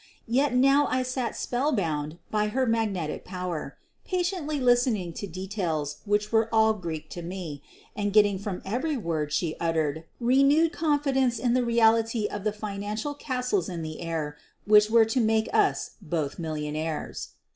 Yet now I sat spellbound by her magnetic power — patiently listening to details which were all \ Greek to me and getting from every word she ut tered renewed confidence in the reality of the finan cial castles in the air which were to make us both millionaires.